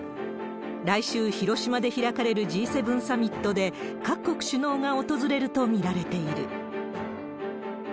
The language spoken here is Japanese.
来週、広島で開かれるＧ７サミットで、各国首脳が訪れると見られている。